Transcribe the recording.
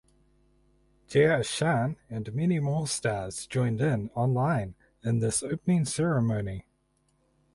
Jaya Ahsan and many more stars joined in online in this opening ceremony.